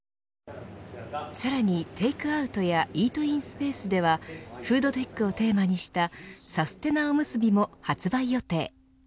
さらにテークアウトやイートインスペースではフードテックをテーマにしたサステなおむすびも発売予定。